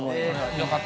◆よかった。